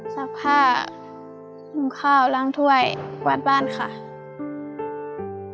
ซักผ้าหุงข้าวล้างถ้วยกวาดบ้านค่ะ